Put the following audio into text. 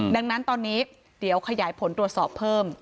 ดังนั้นตอนนี้เดี๋ยวขยายผลตรวจสอบเพิ่ม